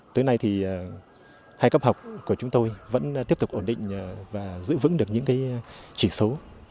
tới nay thì hai cấp học của chúng tôi vẫn tiếp tục ổn định và giữ vững được những chỉ số